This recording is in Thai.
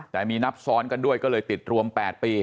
แต่มีนับซ้อนกันด้วยก็เลยติดรวม๘ปี